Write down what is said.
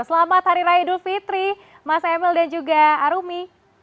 selamat hari raya idul fitri mas emil dan juga arumi